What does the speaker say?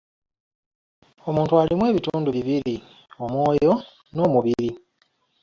Omuntu alimu ebitundu bibiri:Omwoyo n'omubiri.